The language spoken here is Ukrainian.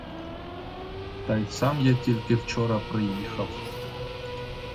Та й сам я тільки вчора приїхав.